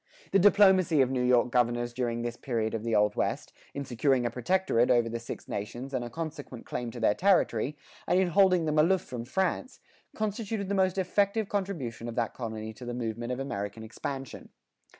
The diplomacy of New York governors during this period of the Old West, in securing a protectorate over the Six Nations and a consequent claim to their territory, and in holding them aloof from France, constituted the most effective contribution of that colony to the movement of American expansion.